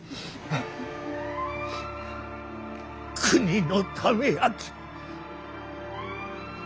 国のためやき。